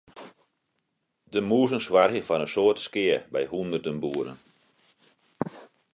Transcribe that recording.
De mûzen soargje foar in soad skea by hûnderten boeren.